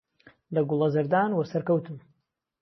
له گوڵهزهردان وه سهر کهوتم